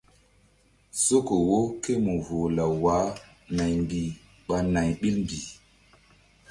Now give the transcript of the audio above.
Soko wo ké mu voh law wah naymbih ɓa nay ɓil mbih.